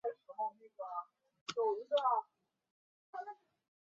该陨坑的外观类似于月表上发现的其它众多的小撞击坑。